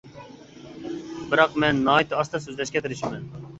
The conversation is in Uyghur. بىراق مەن ناھايىتى ئاستا سۆزلەشكە تىرىشىمەن.